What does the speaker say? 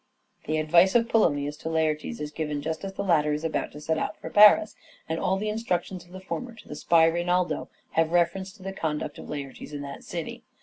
The advice of Polonius to Laertes is given just Laertes and as the latter is about to set out for Paris, and all the instructions of the former to the spy Reynaldo have reference to the conduct of Laertes in that city.